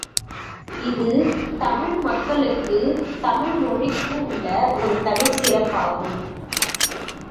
இது தமிழ் மக்களுக்கு, தமிழ் மொழிக்கு உள்ள ஒரு தனிச் சிறப்பாகும்.